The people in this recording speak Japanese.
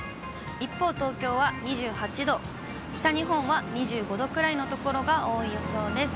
一方、東京は２８度、北日本は２５度くらいの所が多い予想です。